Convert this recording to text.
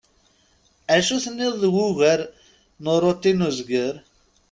Acu tenniḍ deg wugar n uṛuti n uzger?